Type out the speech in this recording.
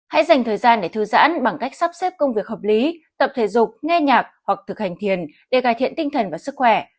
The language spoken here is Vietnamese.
hãy dành thời gian để thư giãn bằng cách sắp xếp công việc hợp lý tập thể dục nghe nhạc hoặc thực hành thiền để cải thiện tinh thần và sức khỏe